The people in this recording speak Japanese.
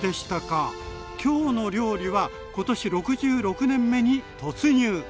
「きょうの料理」は今年６６年目に突入。